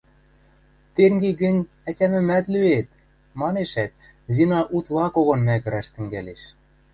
– Тенге гӹнь ӓтямӹмӓт лӱэт... – манешӓт, Зина утла когон мӓгӹрӓш тӹнгӓлеш.